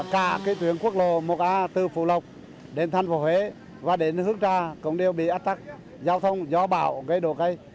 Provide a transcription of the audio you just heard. cả cái tuyến quốc lộ một a từ phủ lộc đến thành phố huế và đến hương trà cũng đều bị áp tác giao thông do bão gây đổ cây